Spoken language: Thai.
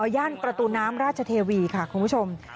ย่านประตูน้ำราชเทวีค่ะคุณผู้ชม